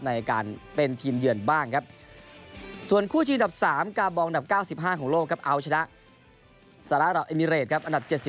ในการเป็นทีมเหยื่อนบ้างครับ